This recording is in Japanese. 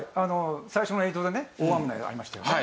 最初の映像でね大雨ありましたよね。